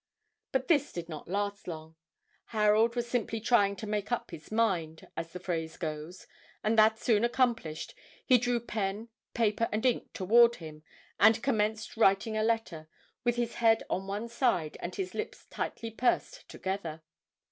But this did not last long; Harold was simply trying to make up his mind, as the phrase goes, and that soon accomplished, he drew pen, paper and ink toward him and commenced writing a letter, with his head on one side and his lips tightly pursed together.